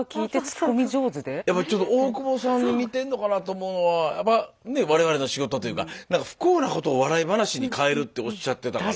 やっぱりちょっと大久保さんに似てんのかなと思うのはやっぱねえ我々の仕事というかなんか不幸なことを笑い話に変えるっておっしゃってたから。